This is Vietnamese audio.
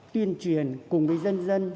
tuyên truyền cùng với dân dân